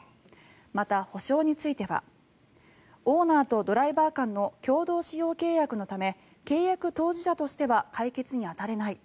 また、補償についてはオーナーとドライバー間の共同使用契約のため契約当事者としては解決に当たれない。